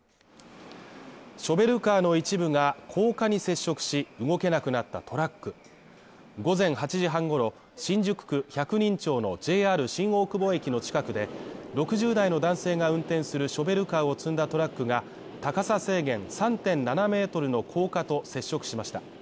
ショベルカーの一部が高架に接触し、動けなくなったトラック午前８時半ごろ、新宿区百人町のＪＲ新大久保駅の近くで６０代の男性が運転するショベルカーを積んだトラックが高さ制限３．７ｍの高架と接触しました。